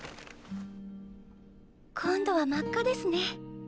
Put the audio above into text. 今度は真っ赤ですね。